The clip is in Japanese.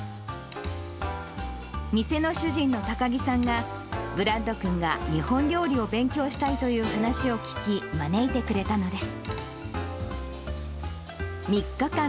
店の主人の高木さんがブラッド君が日本料理を勉強したいという話を聞き、招いてくれたのです。